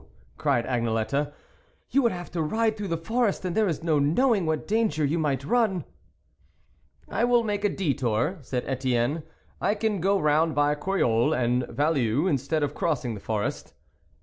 cried Agnelette, " you would have to ride through the forest, and there is no knowing what danger you might run." " I will make a detour " said Etienne, " I can go round by Croyolles and Value instead of crossing the forest."